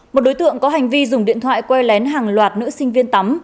một đối tượng có hành vi dùng điện thoại quay lén hàng loạt nữ sinh viên tắm